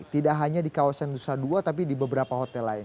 tidak hanya di kawasan nusa dua tapi di beberapa hotel lain